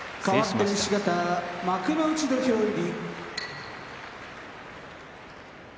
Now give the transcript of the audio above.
かわって西方幕内土俵入り。